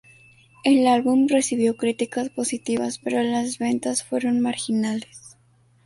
El álbum recibió críticas positivas, pero las ventas fueron marginales.